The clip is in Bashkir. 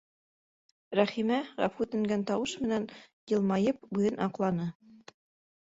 Рәхимә, ғәфү үтенгән тауыш менән, йылмайып, үҙен аҡланы: